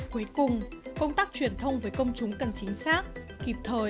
cuối cùng công tác truyền thông với công chúng cần chính xác kịp thời